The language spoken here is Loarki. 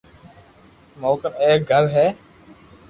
مون ڪني ايڪ گھر ھي